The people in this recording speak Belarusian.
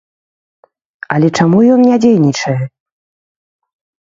Але чаму ён не дзейнічае?